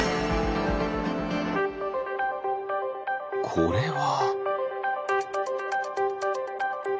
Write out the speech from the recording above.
これは？